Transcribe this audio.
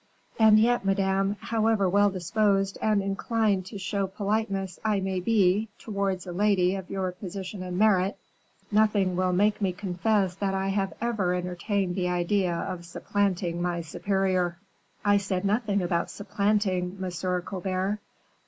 "And yet, madame, however well disposed and inclined to show politeness I may be towards a lady of your position and merit, nothing will make me confess that I have ever entertained the idea of supplanting my superior." "I said nothing about supplanting, Monsieur Colbert.